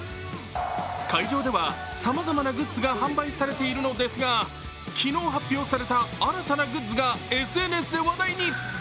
会場では、さまざまなグッズが販売されているのですが昨日発表された新たなグッズがＳＮＳで話題に。